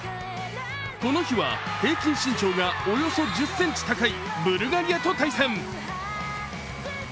この日は平均身長がおよそ１０ｃｍ高いブルガリアと対戦。